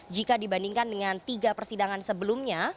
jika dibandingkan dengan tiga persidangan sebelumnya